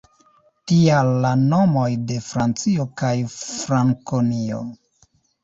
Tial, la nomoj de Francio kaj Frankonio.